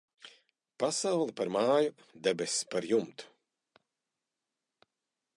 Pasaule par māju, debess par jumtu.